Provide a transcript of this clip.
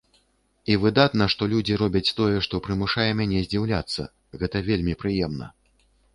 І выдатна, што людзі робяць тое, што прымушае мяне здзіўляцца, гэта вельмі прыемна.